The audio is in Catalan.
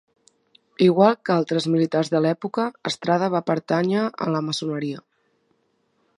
Igual que altres militars de l'època, Estrada va pertànyer a la maçoneria.